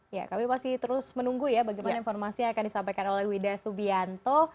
ya kami masih terus menunggu ya bagaimana informasi yang akan disampaikan oleh wida subianto